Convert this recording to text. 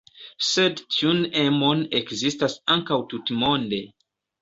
Sed tiun emon ekzistas ankaŭ tutmonde.